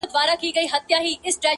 ورور مي اخلي ریسوتونه ښه پوهېږم,